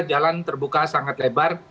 jalan terbuka sangat lebar